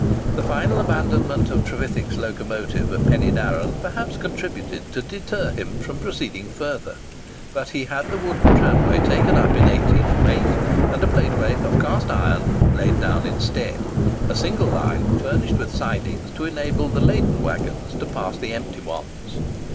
The final abandonment of Trevithick's locomotive at Pen y darran perhaps contributed to deter him from proceeding further; but he had the wooden tramway taken up in 1808, and a plate way of cast iron laid down instead—a single line furnished with sidings to enable the laden waggons to pass the empty ones.